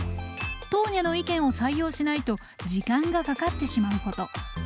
トーニャの意見を採用しないと時間がかかってしまうこと。